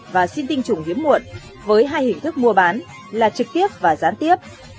và xin tinh chủng hiếm muộn với hai hình thức mua bán là trực tiếp và gián tiếp